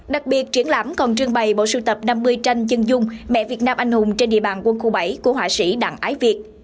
đặc biệt triển lãm còn trương bày bộ sưu tập năm mươi tranh chân dung mẹ việt nam anh hùng trên địa bàn quân khu bảy của họa sĩ đặng ái việt